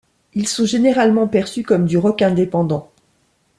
Ils sont généralement perçus comme du rock indépendant.